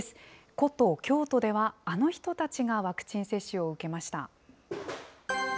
古都、京都では、あの人たちがワクチン接種を受けました。